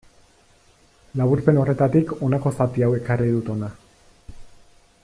Laburpen horretatik honako zati hau ekarri dut hona.